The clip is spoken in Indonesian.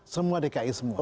semua dki semua